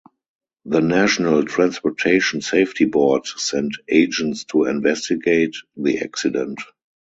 The National Transportation Safety Board sent agents to investigate the accident.